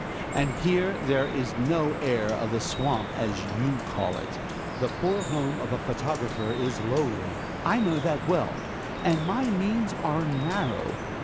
And here there is no air of the swamp as you call it. The poor home of the photographer is lowly — I know that well — and my means are narrow.